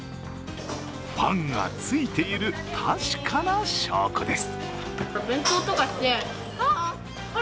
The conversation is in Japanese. ファンがついている確かな証拠です。